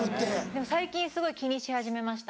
でも最近すごい気にし始めました。